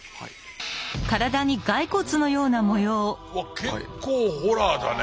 わっ結構ホラーだね。